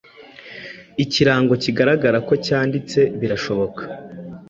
ikirango kigaragara ko cyanditse Birashoboka